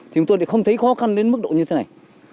thì chúng tôi không thấy khó khăn đến mức độ như thế này